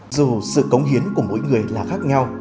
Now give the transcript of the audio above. dù sự cống hiến của mỗi người là khác nhau